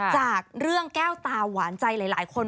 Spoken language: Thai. จากเรื่องแก้วตาหวานใจหลายคน